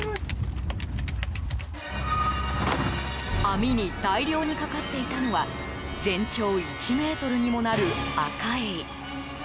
網に大量にかかっていたのは全長１ｍにもなるアカエイ。